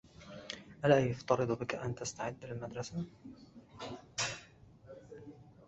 ألا يفترضُ بك أن تستعد للمدرسة؟